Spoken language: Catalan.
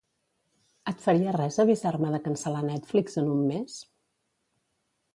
Et faria res avisar-me de cancel·lar Netflix en un mes?